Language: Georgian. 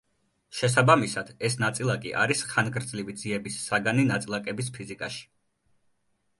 შესაბამისად, ეს ნაწილაკი არის ხანგრძლივი ძიების საგანი ნაწილაკების ფიზიკაში.